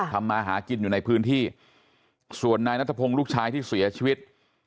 มาหากินอยู่ในพื้นที่ส่วนนายนัทพงศ์ลูกชายที่เสียชีวิต